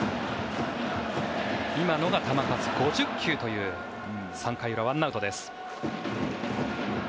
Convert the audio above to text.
今のが球数５０球という３回裏、１アウトです。